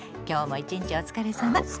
今日も一日お疲れさま！